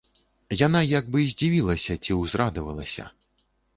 Яна як бы здзівілася ці ўзрадавалася.